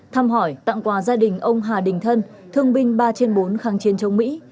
thăm hỏi tặng quà gia đình ông hà đình thân thương binh ba trên bốn kháng chiến chống mỹ